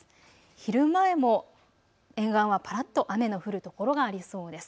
昼前も沿岸はぱらっと雨の降る所がありそうです。